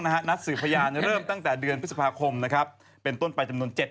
ขณะตอนอยู่ในสารนั้นไม่ได้พูดคุยกับครูปรีชาเลย